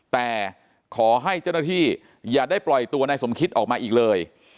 แต่ขอให้เจ้าหน้าที่อย่าได้ปล่อยตัวนายสมคิตออกมาอีกเลย